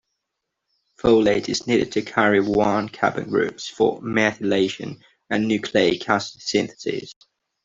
Folate is needed to carry one carbon groups for methylation and nucleic acid synthesis.